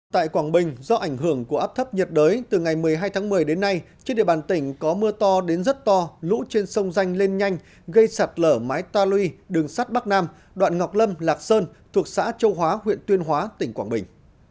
tại quảng bình do ảnh hưởng của áp thấp nhiệt đới từ ngày một mươi hai tháng một mươi đến nay trên địa bàn tỉnh có mưa to đến rất to lũ trên sông danh lên nhanh gây sạt lở mái ta lui đường sắt bắc nam đoạn ngọc lâm lạc sơn thuộc xã châu hóa huyện tuyên hóa tỉnh quảng bình